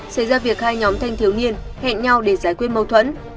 xảy ra việc hai nhóm thanh thiếu niên hẹn nhau để giải quyết mâu thuẫn